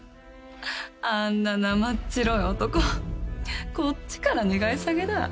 あんななまっちろい男こっちから願い下げだ。